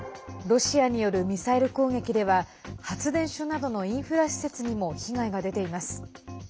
ロシアによるミサイル攻撃では発電所などのインフラ施設にも被害が出ています。